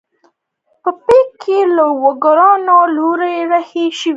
په بګۍ کې د لوکارنو په لور رهي شوو.